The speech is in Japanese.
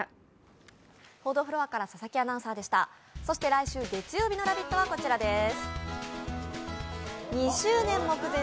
そして来週月曜日の「ラヴィット！」はこちらです。